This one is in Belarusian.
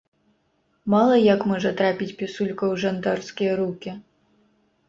Мала як можа трапіць пісулька ў жандарскія рукі!